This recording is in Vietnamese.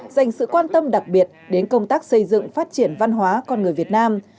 dành sự quan tâm đặc biệt đến công tác xây dựng phát triển văn hóa con người việt nam